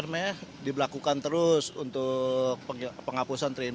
kita harus berlakukan terus untuk penghapusan tiga in satu